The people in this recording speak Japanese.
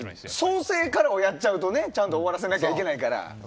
創成からをやっちゃうとちゃんと終わらせなきゃいけないから。